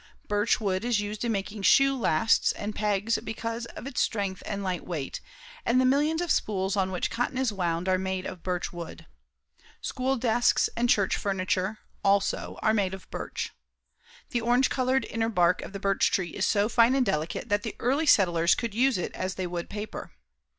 Birch wood is used in making shoe lasts and pegs because of its strength and light weight, and the millions of spools on which cotton is wound are made of birch wood. School desks and church furniture, also, are made of birch. The orange colored inner bark of the birch tree is so fine and delicate that the early settlers could use it as they would paper.